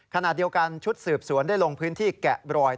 ขณะเดียวกันชุดสืบสวนได้ลงพื้นที่แกะรอย